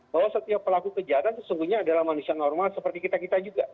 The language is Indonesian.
bahwa setiap pelaku kejahatan sesungguhnya adalah manusia normal seperti kita kita juga